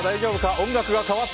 音楽が変わった。